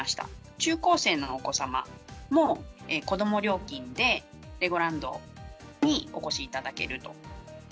中高生のお子様も子ども料金でレゴランドにお越しいただけると。